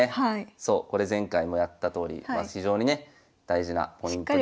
そうこれ前回もやったとおり非常にね大事なポイントで。